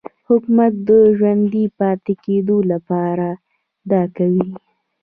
حکومت د ژوندي پاتې کېدو لپاره دا کوي.